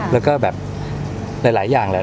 แล้วก็แบบหลายอย่างแหละ